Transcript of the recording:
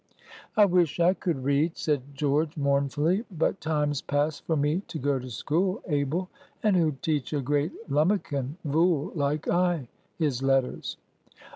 "I wish I could read," said George, mournfully; "but time's past for me to go to school, Abel; and who'd teach a great lummakin vool like I his letters?"